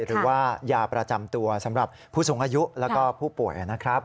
หรือว่ายาประจำตัวสำหรับผู้สูงอายุแล้วก็ผู้ป่วยนะครับ